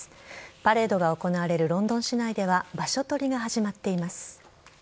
パレードが行われるロンドン市内では場所取りが始まっています。